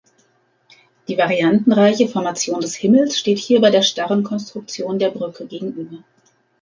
Die variantenreiche Formation des Himmels steht hierbei der starren Konstruktion der Brücke gegenüber.